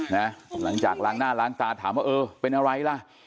หลังจากล้างหน้าล้างตาถามว่าเออเป็นอะไรล่ะ